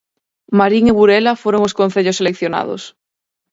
Marín e Burela foron os concellos seleccionados.